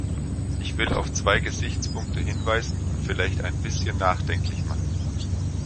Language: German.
Ich will auf zwei Gesichtspunkte hinweisen und vielleicht ein bisschen nachdenklich machen.